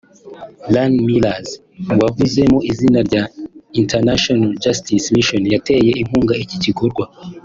Lan Mears wavuze mu izina rya International Justice Mission yateye inkunga iki gikorwa